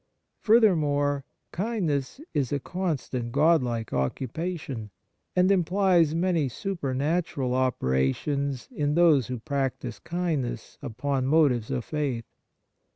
Furthermore, kindness is a con stant godlike occupation, and implies many supernatural operations in those who prac tise kindness upon motives of faith.